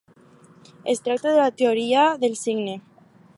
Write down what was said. Es tracta de la teoria del signe.